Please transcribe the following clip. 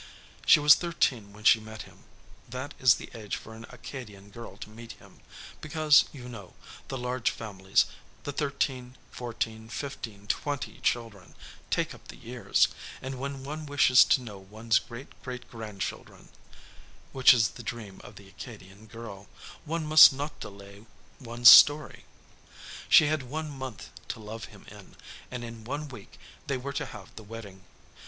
She was thirteen when she met him. That is the age for an Acadian girl to meet him, because, you know, the large families the thirteen, fourteen, fifteen, twenty children take up the years; and when one wishes to know one's great great grandchildren (which is the dream of the Acadian girl) one must not delay one's story. She had one month to love him in, and in one week they were to have the wedding.